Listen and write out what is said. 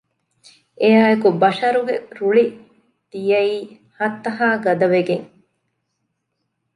އެއާއެކު ބަޝަރުގެ ރުޅި ދިޔައީ ހައްތަހާ ގަދަވެގެން